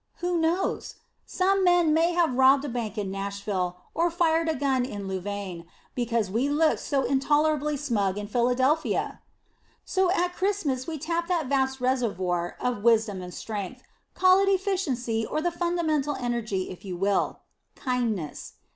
Who knows? Some man may have robbed a bank in Nashville or fired a gun in Louvain because we looked so intolerably smug in Philadelphia! So at Christmas we tap that vast reservoir of wisdom and strength call it efficiency or the fundamental energy if you will Kindness.